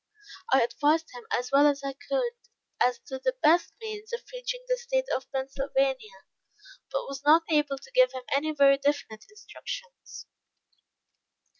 I advised him as well as I could, as to the best means of reaching the State of Pennsylvania, but was not able to give him any very definite instructions.